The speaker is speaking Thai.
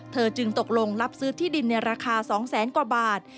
จึงตกลงรับซื้อที่ดินในราคา๒แสนกว่าบาท